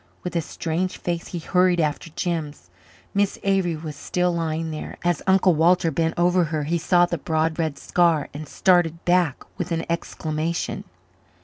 With a strange face he hurried after Jims. Miss Avery was still lying there. As Uncle Walter bent over her he saw the broad red scar and started back with an exclamation.